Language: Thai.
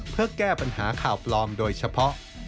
เพื่อแก้ปัญหาข่าวปลอมโดยเฉพาะ